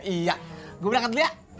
iya gue berangkat dulu ya